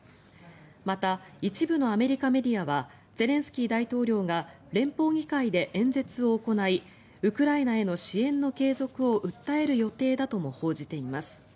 また、一部のアメリカメディアはゼレンスキー大統領が連邦議会で演説を行いウクライナへの支援の継続を訴える予定だとも報じています。